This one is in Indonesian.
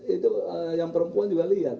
itu yang perempuan juga lihat